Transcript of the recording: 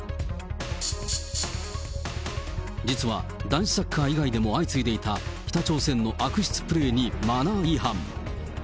実は男子サッカー以外でも相次いでいた、北朝鮮の悪質プレーにマナー違反。